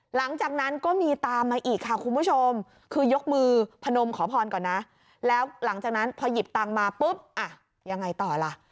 หลังจากนั้นก็มีตามมาอีกค่ะคุณผู้ชมคือยกมือพนมขอพรก่อนนะแล้วหลังจากนั้นพอหยิบตังค์มาปุ๊บอ่ะยังไงต่อล่ะ